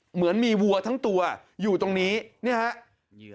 เหมือนมีวัวทั้งตัวอยู่ตรงนี้เนี่ยครับ